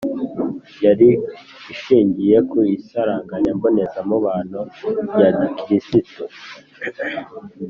yari ishingiye ku isaranganya mbonezamubano rya gikirisitu